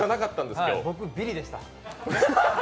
僕ビリでした。